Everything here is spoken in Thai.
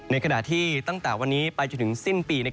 ขณะที่ตั้งแต่วันนี้ไปจนถึงสิ้นปี